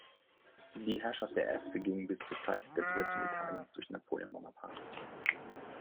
Die Herrschaft der Este ging bis zur Zeit der Besetzung Italiens durch Napoleon Bonaparte.